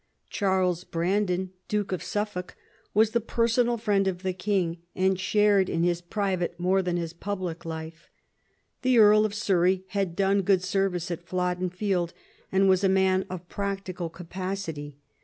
Charles Brandon, Duke of Suffolk, was the personal friend of the king, and shared in his private more than in his public life. The Earl of Surrey had done good service at Flodden Field, and was a man of practical capacity.